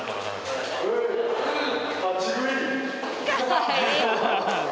かわいい！